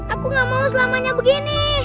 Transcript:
aku gak mau selamanya begini